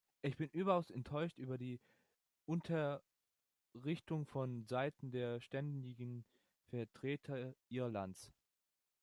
Ich bin überaus enttäuscht über die Unterrichtung von seiten der ständigen Vertreter Irlands.